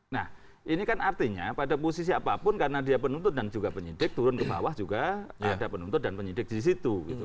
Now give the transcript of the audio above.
nah ini kan artinya pada posisi apapun karena dia penuntut dan juga penyidik turun ke bawah juga ada penuntut dan penyidik di situ